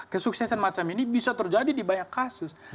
kesuksesan macam ini bisa terjadi di banyak kasus